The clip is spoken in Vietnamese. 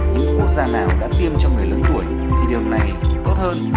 những quốc gia nào đã tiêm cho người lớn tuổi thì điều này tốt hơn